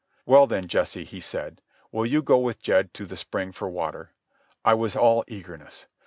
"Well, then, Jesse," he said, "will you go with Jed to the spring for water?" I was all eagerness.